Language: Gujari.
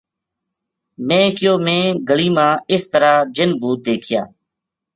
میں کہیو میں گلی ما اس طرح جِن بھُوت دیکھیا